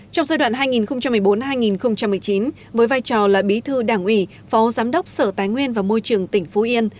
trong giai đoạn hai nghìn một mươi bốn hai nghìn một mươi chín với vai trò là bí thư đảng ủy phó giám đốc sở tài nguyên và môi trường tỉnh phú yên